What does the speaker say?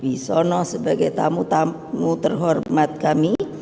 bapak marjono sebagai tamu tamu terhormat kami